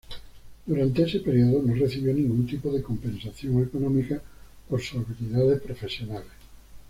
Durante ese periodo no recibió ningún tipo de compensación económica por sus habilidades profesionales.